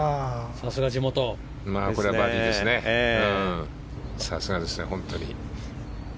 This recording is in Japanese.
さすがですね、本当に。